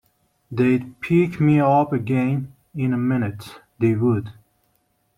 They’d pick me up again in a minute, they would!